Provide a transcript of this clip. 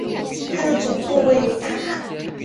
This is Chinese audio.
它的总部位于达卡。